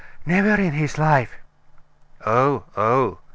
"Never in his life." "Oh, oh!